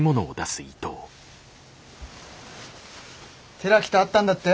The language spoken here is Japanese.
寺木と会ったんだって？